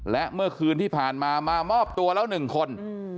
และเมื่อคืนที่ผ่านมามามอบตัวแล้ว๑คน